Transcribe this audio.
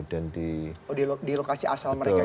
di lokasi asal mereka gitu pak